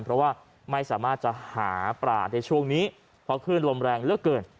เพราะว่าไม่สามารถจะหาปลาในช่วงนี้เพราะคลื่นลมแรงเหลือเกิน